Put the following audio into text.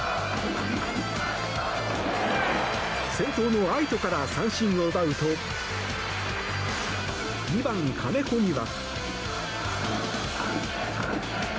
先頭の愛斗から三振を奪うと２番、金子には。